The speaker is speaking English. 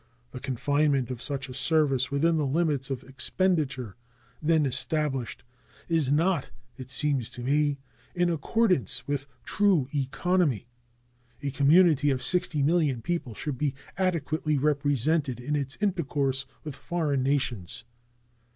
The confinement of such a service within the limits of expenditure then established is not, it seems to me, in accordance with true economy. A community of 60,000,000 people should be adequately represented in its intercourse with foreign nations.